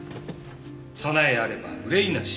「備えあれば憂いなし」。